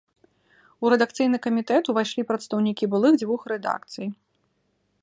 У рэдакцыйны камітэт увайшлі прадстаўнікі былых дзвюх рэдакцый.